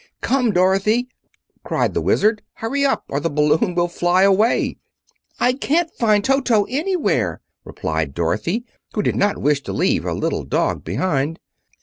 "Come, Dorothy!" cried the Wizard. "Hurry up, or the balloon will fly away." "I can't find Toto anywhere," replied Dorothy, who did not wish to leave her little dog behind.